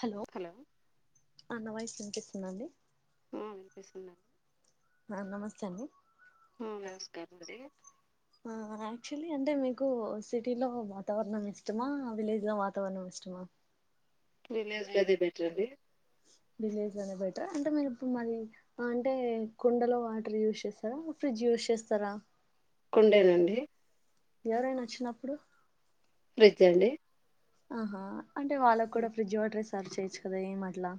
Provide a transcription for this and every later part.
Hello ఆ నా voice వినిపిస్తుందా అండి ఆ వినిపిస్తుందండి ఆ నమస్తే అండి కర్ణ్‌దే ఆ యాక్చుయలీ అంటే మీకు సిటీలో వాతావరణం ఇష్టమా విలేజ్లో వాతవరణం ఇష్టమా విలేజ్లోదే బెటరండి విలేజ్ లోనే బెటరా అంటే మీరుప్పుడు మళ్లీ అంటే కుండలో వాటర్ యూస్ చేస్తారా ఫ్రిడ్జ్ యూస్ చేస్తారా కుండేనండి ఎవరైనా వచ్చినప్పుడు ఫ్రిడ్జ్ అండి ఆహా అంటే వాళ్ళకు కూడా ఫ్రిడ్జ్ వాటరే సర్వ్ చేయొచ్చు కదా ఏం అట్లా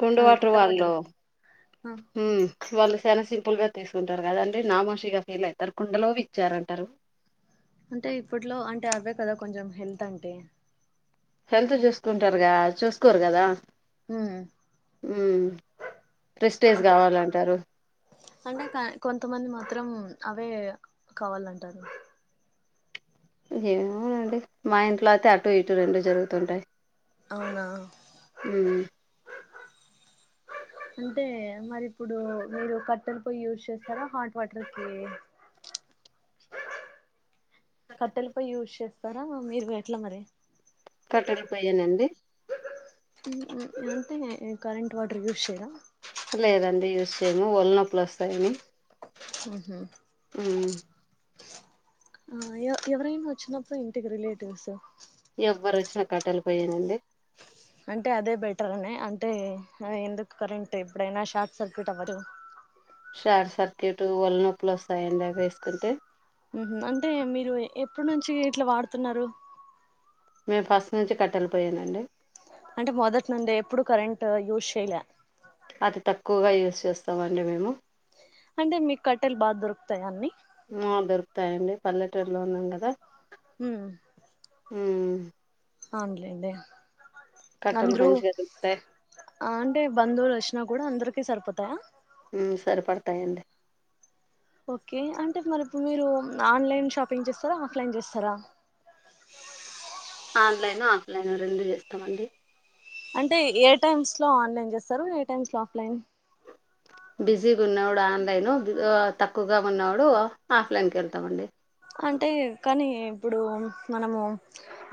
కుండ వాటర్ వాళ్ళు ఆ హ్మ్ వాళ్ళు షాల సిం పుల్ గా తీసుకుంటారు కదండి నామోసీగా ఫీల్ అయితారు కుండలోవి ఇచ్చారంటారు అంటే ఇప్పట్లో అంటే అవే కదా కొంచెం హెల్త్ అంటే హెల్త్ చూసుకుంటారుగా చూసుకోరు కదా ఉమ్ హ్మ్ ప్రెస్టేజ్ కావాలంటారు అంటే కా- కొంతమంది మాత్రం అవే కావాలంటారు ఏమోనండి మా ఇంట్లోతై అ టు ఇటు రెండు జరుగుతుంటాయి అవునా అంటే మరి ఇప్పుడు మీరు కట్టెలు పోయి యూస్ చేస్తారా హాట్ వాటర్ కి కట్టెల పొయ్యి యూజ్ చేస్తారా మీరు ఎట్లా మరి కట్టెలు పోయ్యేనండి మ్మ్ మ్మ్ మ్మ్ అంతే కరెంట్ వాటర్ యూస్ చేయరా లేదండి యూస్ చేయము ఒళ్ళు నొప్పులు వస్తాయని మ్మ్ ఉహ్మ్ మ్మ్ ఆ ఎ ఎవరైనా వచ్చినప్పుడు ఇంటికి రిలేటివ్స్ ఎవ్వరొచ్చినా కట్టేల పోయ్యేనండి అంటే అదే బెటర్ అనా అంటే ఎందుకు కరెంట్ ఎప్పుడైనా షార్ట్ సర్క్యూట్ అవడు షార్ట్ సర్క్యూట్ ఒళ్ళు నొప్పులు వస్తాయండి అవి ఏసుకుంటే మ్మ్ ఉమ్మ్ అంటే మీరు ఎప్పుడు నుంచి ఇట్లా వాడుతున్నారు మేము ఫస్ట్ నుంచి కట్టేలపోయ్యేనండి అంటే మొదట్నుండే ఎప్పుడు కరెంట్ యూజ్ చేయలే అతి తక్కువగా యూజ్ చేస్తామండి మేము అంటే మీకు కట్టెలు బాగా దొరుకుతాయా అన్నీ తాయండి పల్లెటూరులో ఉన్నాం కదా మ్మ్ ఉమ్ అవును లెండి కట్టెలు అంద్రూ మంచిగా దొరుకుతాయి అంటే బంధువులు వచ్చినపు కూడా అందరికీ సరిపోతాయా ఉమ్మ్ సరిపడాతాయండి ఓకే అంటే మరి ఇప్పుడు మీరు ఆన్లైన్ షాపింగ్ చేస్తారా ఆఫ్లైన్ చేస్తారా ఆన్లైన్ ఆఫ్లైన్ రెండు చేస్తామండి అంటే ఏ టైమ్స్ లో ఆన్లైన్ చేస్తారు ఏ టైమ్స్ లో ఆఫ్లైన్ బిజీగా ఉన్నా అప్పుడు ఆన్లైన్ ఆ తక్కువగా ఉన్నప్పుడు ఆఫ్లైన్ కి వెళ్తమండి అంటే కానీ ఇప్పుడు మనము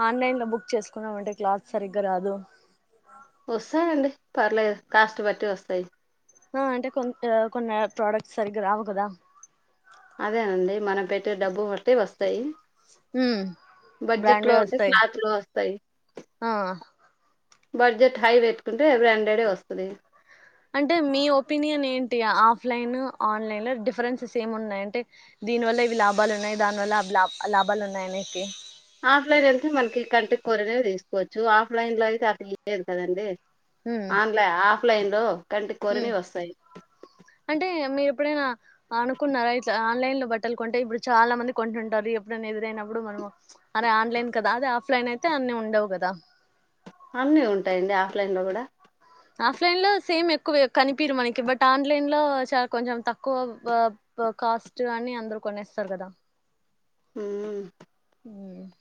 ఆన్లైన్ లో బుక్ చేసుకున్నామంటే క్లాత్ సరిగ్గా రాదు వస్తాయండి పర్లేదు కాస్ట్ బట్టి వస్తాయి ఆ అంటే కొంతు కొన్ని ప్రోడక్ట్స్ సరిగ్గా రావు కదా అదేనండి మనం పెట్టే డబ్బు బట్టి వస్తాయి బడ్జెట్ లో బ్రాండ్వే ఉంటే వస్తాయి క్లాత్ లో వస్తాయి ఆ బడ్జెట్ హై పెట్టుకుంటే బ్రాండ్ డే వస్తది అంటే మీ ఒపీనియన్ ఏంటి ఆఫ్లైన్ ఆన్లైన్ లో డిఫరెన్సె ఏం ఉన్నాయి అంటే దీని వల్ల ఇవి లాభాలు ఉన్నాయి దాని వల్ల అవి లాబ్ లాభాలు ఉన్నాయి అనేకి ఆఫ్లైన్ ఎళ్తే మనకి కంటి కోరిననే తీసుకోవచ్చు ఆఫ్లైన్ లో అయితే అది లేదు కదండి ఉమ్ ఆన్లై ఆఫ్లైన్ లో కంటి ఉమ్ కోరినీ వస్తాయి ప్పుడైనా అనుకున్నారా ఇట్ల ఆన్లైన్ లో బట్టలు కొంటే ఇప్పుడు చాలా మంది కొంటుంటారు ఎప్పుడైనా ఎదురైననప్పుడు మనం అరే ఆన్లైన్ కదా అదే ఆఫ్లైన్ అయితే అన్నీ ఉండవు కదా అన్నీ ఉంటాయండి ఆఫ్లైన్ లో కూడా ఆఫ్లైన్ లో సేమ్ ఎక్కువే కనిపీరు మనకి బట్ ఆన్లైన్ లో చాలా కొంచెం తక్కువ కాస్ట్ అని అందరూ కొనేస్తారు కదా ఉమ్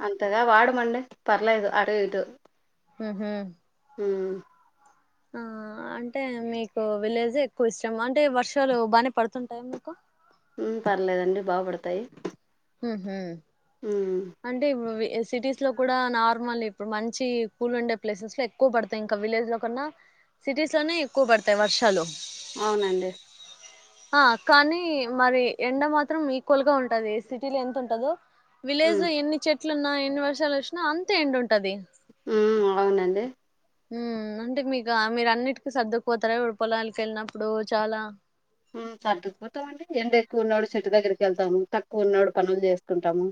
అంతగా వాడమండి పర్లేదు అటు ఇటు మ్ హు ఉమ్ ఆ అంటే మీకు విలేజ్ ఎక్కువ ఇష్టం అంటే వర్షాలు బానే పడుతుంటాయ మీకు ఉమ్ పర్లేదండి బా పడతాయి మ్ హు అంటే ఇవ్వి సిటీస్ లో కూడా నార్మల్ ఇప్పుడు మంచి కూల్ ఉండే ప్లేసెస్ లో ఎక్కువ పడతాయి ఇంకా విలేజ్ లో కన్నా సిటీస్ లోనే ఎక్కువ పడతాయి వర్షాలు అవునండి ఆ కానీ మరి ఎండ మాత్రం ఈక్వల్ గా ఉంటది సిటీలో ఎంత ఉంటదో విలేజ్ ఉమ్ లో ఎన్ని చెట్లున్నా ఎన్ని వర్షాలు వచ్చినా అంతే ఎండుంటది ఉమ్ అవునండి ఉమ్ అంటే మీకు మీరు అన్నిటికిీ సర్దుకుపోతారా ఇప్పుడు పొలాలకి ఎళ్ళినప్పుడు చాలా ఉమ్ సర్దుకుపోతామండి ఎండ ఎక్కువ ఉన్నాడు చెట్టు దగ్గరికి వెళ్తాము తక్కువ ఉన్నాడు పనులు చేసుకుంటాము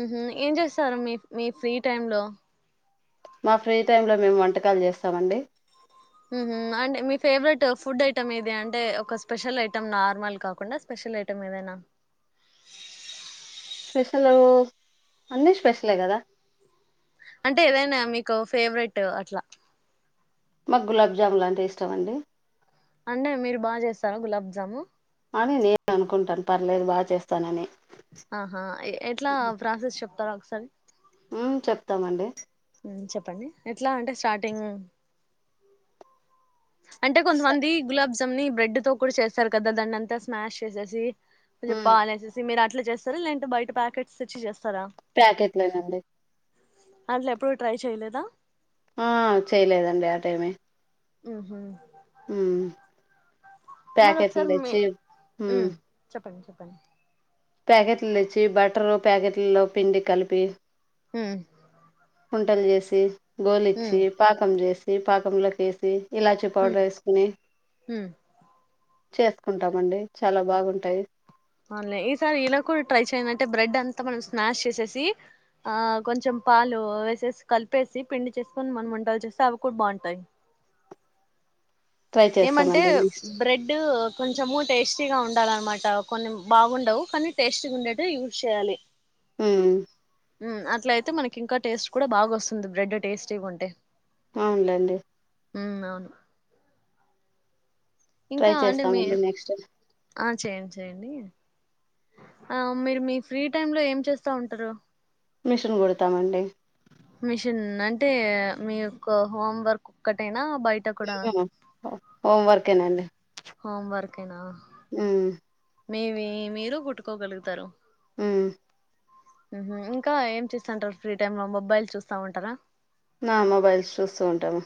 మ్ హు ఏం చేస్తారు మీ మీ ఫ్రీ టైమ్ లో మా ఫ్రీ టైమ్ లో మేము వంటకాలు చేస్తామండి మ్ హు అంటే మీ ఫేవరెట్ ఫుడ్ ఐటెం ఏది అంటే ఒక స్పెషల్ ఐటెం నార్మల్ కాకుండా స్పెషల్ స్పెషల్ ఐటమ్ ఏదైనా స్పెషల్ అన్నీ స్పెషలే కదా అంటే ఏదైనా మీకు ఫేవరెట్ అట్లా మాకు గులాబ్ జామ్లు లాంటే ఇష్టం అండి అంటే మీరు బాగా చేస్తారు గులాబ్ జాము అని నేను అనుకుంటాను పర్లేదు బా చేస్తానని ఆహా ఎట్లా ప్రాసెస్ చెప్తార ఒకసారి ఉమ్ చెప్తామండి చెప్పండి ఎట్లా అంటే స్టార్టింగ్ అంటే కొంతమంది గులాబ్ జామ్ని బ్రెడ్ తో కూడా చేస్తారు కదా దాన్ని అంతా స్మాష్ చేసేసి కొంచెం ఉమ్ పాలు ఎసేసి మీరు అట్లా చేస్తార లేంటే బయట ప్యాకెట్స్ తెచ్చి చేస్తార ప్యాకెట్లనండి అసలు ఎప్పుడు ట్రై చేయలేదా ఆ చేయలేదండి ఆ టైమే ఉహు ఉ మరోకసారి మీ ఉమ్ చెప్పండి చెప్పండి ప్యాకెట్లు తెచ్చి బటర్ ప్యాకెట్లలో పిండి కలిపి ఉహ్ కుంటలు చేసి గోలిచ్చి పాకం చేసి పాకంలోకి వేసి ఇలాచీ పౌడర్ హ్మ్ వేసుకుని హ్మ్ చేసుకుంటామండి చాలా బాగుంటాయి అలే ఈసారి ఇలా కూడా ట్రై చేయడింటే బ్రెడ్ అంతా మనం స్నాష్ చేసేసి ఆ కొంచెం పాలు వేసేసి కలిపేసి పిండి చేసుకొని మనం వంటలు చేస్తే అవి కూడా బాగుంటాయి ట్రై ఏమంటే చేస్తామండి నెక్స్ట్ బ్రెడ్ కొంచము టేస్ట్ టేస్ట్ గా ఉండాలన్నమాట కొన్ని బాగుండవు కానీ టేస్ట్గా ఉండేట్టు యూజ్ చేయాలి ఉమ్ అట్ల అయితే మనకి ఇంకా టేస్ట్ కూడా బాగా వస్తుంది బ్రెడ్ టేస్టీగా ఉంటే అవునులేండి ఉ అవును ట్రై ఇంకా అంటే మీ చేస్తామండి నెక్స్ట్ ఆ చేయండి చేయండి ఆ మీరు మీ ఫ్రీ టైమ్ లో ఏం చేస్తా ఉంటారు మిషన్ కొడతామండి మిషన్ అంటే మీకు హోమ్ వర్క్ ఒక్కటేనా బయట కూడానా హోం వర్క్ ఏ నండి హోమ్ వర్క్ ఏనా ఉ మీవి మీరు కుట్టుకోగలుగుతారు ఉ ఉహు ఇంకా ఏం చేస్తాంటారు ఫ్రీ టైమ్ లో మొబైల్ చూస్తా ఉంటారా నా మొబైల్స్ చూస్తూ ఉంటాము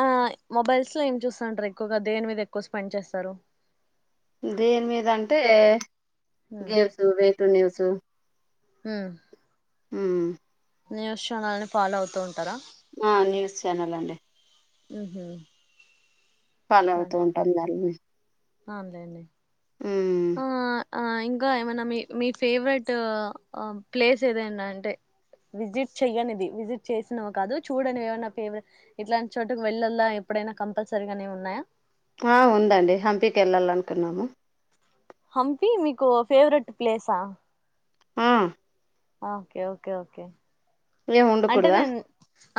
ఆ మొబైల్స్ లో ఏం చూస్తాంటారు ఎక్కువగా దేని మీద ఎక్కువ స్పెండ్ చేస్తారు దేని మీద అంటే గేమ్స్ వే టు న్యూస్ ఉ ఉ న్యూస్ ఛానల్ని ఫాలో అవుతూ ఉంటారా ఆ న్యూస్ ఛానల్ అండి ఉహు ఫాలో అవుతూ ఉంటాం జల్ని అవునులెండి ఆ ఆ ఇంకా ఏమైన్నా మీ మీ ఫేవరెట్ ప్లేస్ ఏదైనా అంటే విజిట్ చెయ్యనిది విజిట్ చేసినవి కాదు చూడని ఏమైన్నా ఫవర ఇట్లాంటి చోటుకి వెళ్ళలా ఎప్పుడైనా కంపల్సరీగానే ఉన్నాయా ఆ ఉందండి హంపీకి వెళ్ళాలనుకున్నాము హంపి మీకు ఫేవరెట్ ప్లేసా ఆ ఓకే ఓకే ఓకే ఏముండకూడదా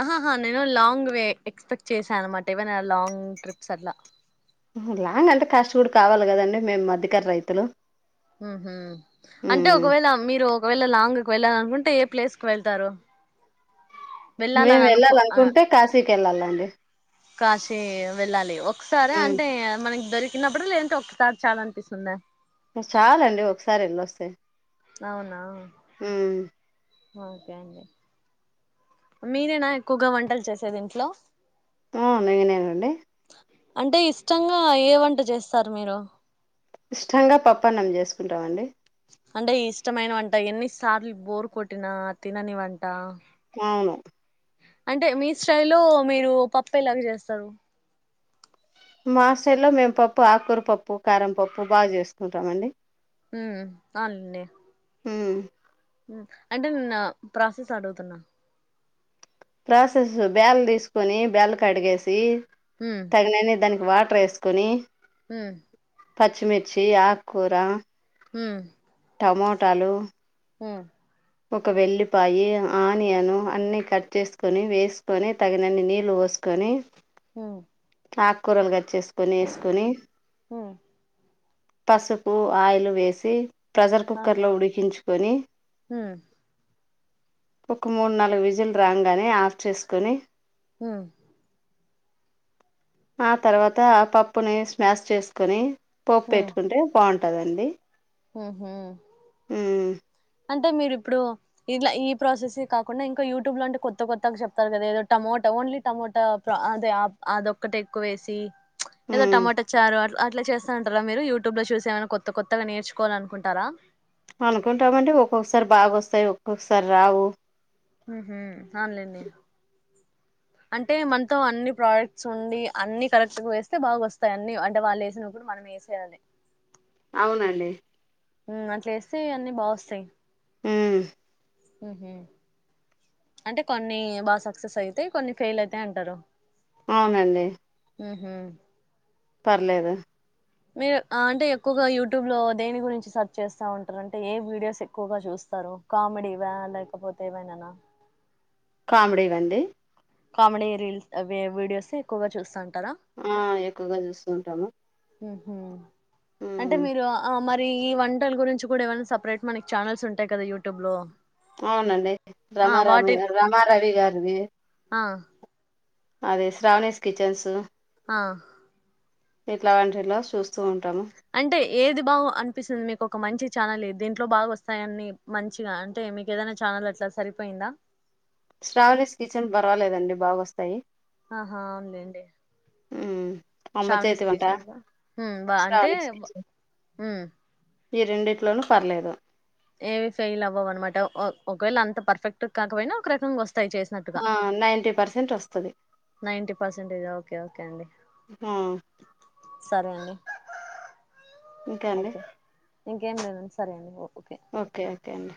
ఆహాహ నేను లాంగ్వే ఎక్స్పెక్ట్ చేశాను అనమాట ఏవైనా లాంగ్ ట్రిప్స్ అట్లా ఆహా లాంగ్ అంటే ఖర్చు కూడా కావాలి కదండి మేము మధ్యకర రైతులు ఉహు అంటే ఉమ్ ఒకవేళ మీరు ఒకవేళ లాంగ్ కి వెళ్లాలనుకుంటే ఏ ప్లేస్ కి వెళ్తారు వెళ్ళాలని మేము అనుకో వెళ్ళాలి ఆ, అనుకుంటే కాశీకి వెళ్ళాలండి కాశీ వెళ్ళాలి ఒకసారి ఉమ్ అంటే మనకి దొరి తక్కినప్పుడు లేంట ఒక్కసారి చాలా అనిపిస్తుంద చాలండి ఒకసారి ఎళ్ళ వస్తాయి అవునా ఓకే అండి మీరేనా ఎక్కువగా వంటలు చేసేది ఇంట్లో ఆ ఎనేన్నాంటే అంటే ఇష్టంగా ఏ వంట చేస్తారు మీరు కుంటామండి అంటే ఇష్టమైన వంట ఎన్నిసార్లు బోరు కొట్టినా తినని వంట అవును అంటే మీ స్టై లో మీరు పప్పా లాగా చేస్తారు మాసల్లో మేము పప్పు ఆకూర పప్పు కారం పప్పు బాగా చేసుకుంటామండి హ అనుడి హ అంటే నేన్న ప్రాసెస్ అడుగుతున్నా ప్రాసెస్ బ్యాల్ తీసుకొని బ్యాల్ కడిగేసి ఉమ్ తగినని దానికి వాటర్ వేసుకుని హ పచ్చిమిర్చి ఆకు కూర హు టమోటాలు హు ఒక వెల్లిపాయి ఆనియన్ అన్ని కట్ చేసుకుొని వేసుకొని తగినన్ని నీళ్ళు వస్త నకనే ఉమ్ ఆకుకూరలుగాచ్చేసుకొని వేసుకొని ఉమ్ పసుపు ఆయిలు వేసి ప్రెజర్ అవునులే కుక్కర్లో ఉడికించుకొని ఉమ్ ఒక మూడు నాలుగు విజిల్ రాంగ్ గాని ఆఫ్ చేసుకుని హ ఆ తర్వాత ఆ పప్పుని స్మాష్ చేసుకుొని పోప్పు పెట్టుకుంటే బాగుంటు ఉంటదండి హహ హ అంటే మీరు ఇప్పుడు ఇలా ఈ ప్రాసెస్ కాకుండా ఇంకా యూట్యూబ్ లో అంటే కొత్త కొత్తగా చెప్తారు కదా ఏదో టమోట ఓన్లీ టమోట అే అదొక్కటి ఎక్కువ వేసి ఏదో ఉమ్ టమోటా చారు అట్లా చేస్తా ఉంటారా మీరు యూట్యూబ్ లో చూసి ఏమైనా కొత్త కొత్తగా నేర్చుకోాల అనుకుంటారా అనుకుంటామంటే ఒక్కొక్కసారి బాగాొస్తాయి ఒక్కొక్కసారి రావు ఆన్ లేడి అంటే మనతో అన్ని ప్రోడక్ట్స్ ఉండి అన్ని కరెక్ట్ గా వేస్తే బాగా వస్తాయి అన్నిీ అంటే వాళ్ళు వేసినప్పుడు మనం మేసయాాల అవునండి ఉ అట్ వస్తే అన్నీ బావస్తాయి ఉమ్ ఉహ అంటే కొన్ని బాగా సక్సెస్ అయితేా కొన్ని ఫెయిల్ అయితా అంటారు అవునండి ఆ పర్లేదు మీరు అంటే ఎక్కువగా యూట్యూబ్ లో దేని గురించి సెర్చ్ చేస్తా ఉంటారు అంటే ఏ వీడియోస్ ఎక్కువగా చూస్త సర కామెడివా లేలకపోతేవానా కామెడి వండి కామెడీ రీల్స్, అవే వీడియోస్ ఎక్కువగా చూస్తాను ఆ, ఎక్కువగా జూస్తూ ఉంటాము. మ్ హు అంటే, మీరు ఆ మరి. మరి ఈ వంటల గురించి గూడా, ఏవన్నా సపరేట్ మనకి ఛానల్స్ ఉంటాయి కదా యూట్యూబ్‌లో. అవునండి, రమారమ రమ రవి గారిది. ఆ అదే, శ్రావణీస్ కిచెన్స్. అహా. ఎట్లా అంటే, ఎట్లా చూస్. అంటే ఏది బాగు అనిపిస్తది మీకు, ఒక మంచి ఛానల్, దీంట్లో బాగా వస్తాయని మంచిగా అంటే, మీకు ఏదైనా ఛానల్ అట్లా సరిపోయిందా? శ్రావణీస్ కిచెన్స్ పర్వాలేదండి, బాగా వస్తాయి. ఆహా, అవునులెండి. ఉమ్ అమ్మ శ్రావణిస్ చేతి వంట కిచెన్స్ ఆ అంటే. శ్రావణీస్ కిచెన్ ఈ రెండిట్లోనూ పర్లేదు. ఏవి ఫెయిల్ అవ్వవు అనమాట. ఒ ఒకవేళ అంత పర్ఫెక్ట్ కాకపోయినా, ఒక రకంగా వస్ ఆ, నైంటీ పర్సెంట్ వస్తాది. నైన్టీ పర్సెంట్ జా ఓకే ఓకే అండి, ఆ సరే అండి. టర్, టర్, ఒయు. ఇంకా, అండి? ఇంకేం లేదు, సరే అండి. ఓకే, ఓకే అండి.